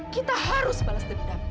kita harus balas dendam